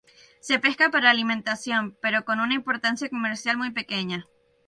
Se pesca para alimentación, pero con una importancia comercial muy pequeña.